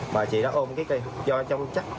bà chị đó ôm cái cây